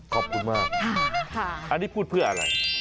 ขอบคุณมากอันนี้พูดเพื่ออะไร